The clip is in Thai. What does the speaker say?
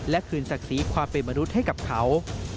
และคืนศักดิ์ศรีความเป็นมนุษย์ให้กับเขา